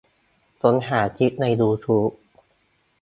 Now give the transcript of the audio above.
ค้นหาคลิปในยูทูบ